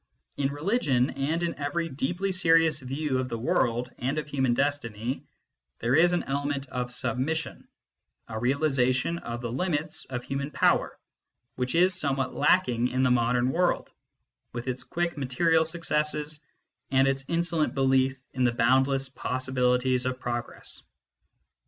In religion, and in every deeply serious view of the world and of human destiny, there is an element of submission, a realisation of the limits of human power, which is somewhat lacking in the modern world, with its quick material successes and its insolent belief in the boundless possibilities of progress.